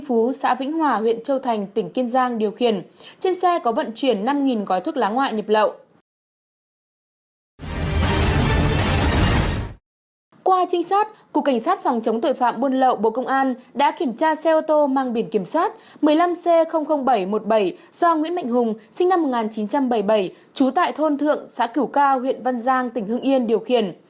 cục cảnh sát phòng chống tội phạm buôn lậu bộ công an đã kiểm tra xe ô tô mang biển kiểm soát một mươi năm c bảy trăm một mươi bảy do nguyễn mạnh hùng sinh năm một nghìn chín trăm bảy mươi bảy chú tại thôn thượng xã cửu cao huyện văn giang tỉnh hưng yên điều khiển